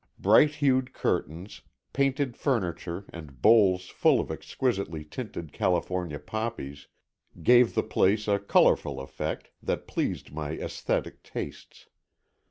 Bright hued curtains, painted furniture and bowls full of exquisitely tinted California poppies gave the place a colourful effect that pleased my aesthetic tastes.